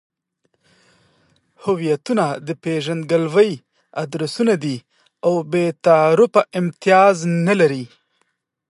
هویتونه د پېژندګلوۍ ادرسونه دي او بې تعارفه امتیاز نلري.